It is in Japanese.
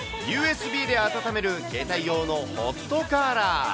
ＵＳＢで温める携帯用のホットカーラー。